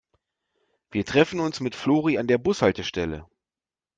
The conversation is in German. Wir treffen uns mit Flori an der Bushaltestelle.